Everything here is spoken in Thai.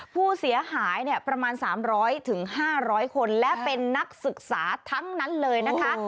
ผู้เสียหายประมาณ๓๐๐๕๐๐คนและเป็นนักศึกษาทั้งนั้นเลยนะคะ